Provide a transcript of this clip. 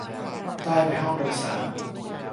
ป้ายในห้องโดยสาร